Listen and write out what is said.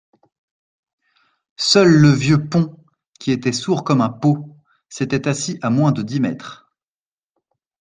Seul le vieux Pons, qui était sourd comme un pot, s’était assis à moins de dix mètres.